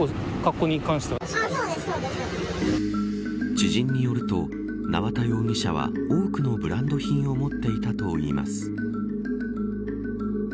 知人によると縄田容疑者は多くのブランド品を持っていたといいます。